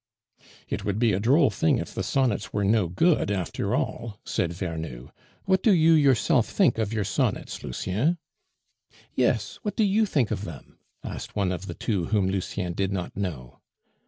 "It would be a droll thing if the sonnets were no good after all," said Vernou. "What do you yourself think of your sonnets, Lucien?" "Yes, what do you think of them?" asked one of the two whom Lucien did not know.